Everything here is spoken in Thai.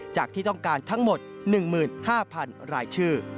ที่ต้องการทั้งหมด๑๕๐๐๐รายชื่อ